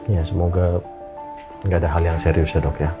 ya semoga tidak ada hal yang serius ya dok ya